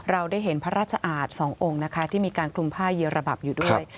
เราได้เห็นพระราชอาจสององค์นะคะที่มีการคลุมผ้าเยือระดับอยู่ด้วย